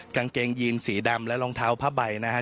กางเกงยีนสีดำและรองเท้าผ้าใบนะฮะ